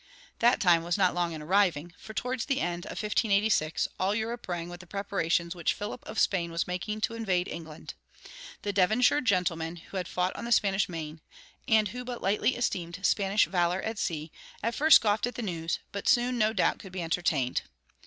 That time was not long in arriving, for towards the end of 1586 all Europe rang with the preparations which Philip of Spain was making to invade England. The Devonshire gentlemen who had fought on the Spanish Main, and who but lightly esteemed Spanish valor at sea, at first scoffed at the news, but soon no doubt could be entertained.